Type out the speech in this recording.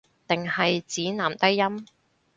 定係指男低音